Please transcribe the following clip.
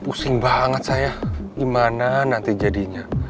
pusing banget saya gimana nanti jadinya